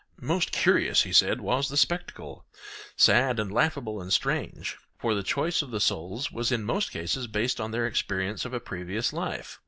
Most curious, he said, was the spectacle—sad and laughable and strange; for the choice of the souls was in most cases based on their experience of a previous life.